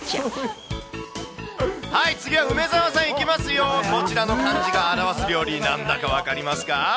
次は梅澤さん、いきますよ、こちらの感じが表す料理、なんだか分かりますか？